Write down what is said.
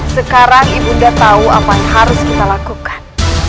sekarang ibu bunda tahu apa yang harus kita lakukan